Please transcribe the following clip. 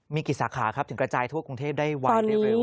มีกี่สาขาครับถึงกระจายทั่วกรุงเทพได้วางเร็ว